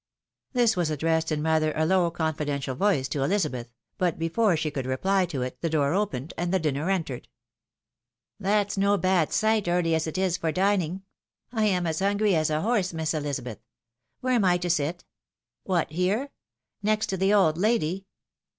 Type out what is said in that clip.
This was addressed in rather a low confi , dential voice to Elizabeth ; but before she could reply to it, the door opened, and the dinner entered. 118 THE WIDOW MAEEIED. " That's no bad sight, early as it is for dining. I am as hungry as a horse, Miss Elizabeth. Where am I to sit ? What, here! — next to the old lady?